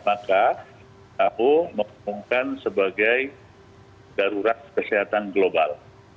maka who mengumumkan sebagai darurat kesehatan global